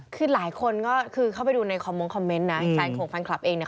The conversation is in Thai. คือหลายคนก็คือเข้าไปดูในคอมมงคอมเมนต์นะแฟนของแฟนคลับเองเนี่ย